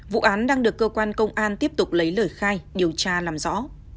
vụ án đang được cơ quan công an tiếp tục lấy lời khai điều tra làm rõ